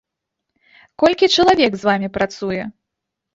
Колькі чалавек з вамі працуе?